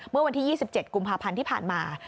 เมื่อวันที่๒๗กุมภาพันธ์ที่ผ่านมา